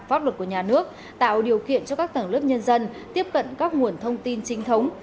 pháp luật của nhà nước tạo điều kiện cho các tầng lớp nhân dân tiếp cận các nguồn thông tin chính thống